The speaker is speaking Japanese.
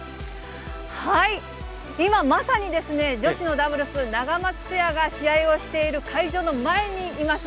今、まさに女子のダブルス、ナガマツペアが試合をしている会場の前にいます。